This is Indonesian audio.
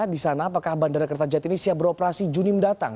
di sana apakah bandara kertajati ini siap beroperasi juni mendatang